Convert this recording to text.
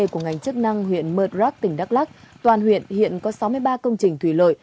của ngành chức năng huyện mờ đrak tỉnh đắk lắc toàn huyện hiện có sáu mươi ba công trình thủy lợi